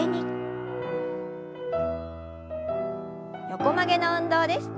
横曲げの運動です。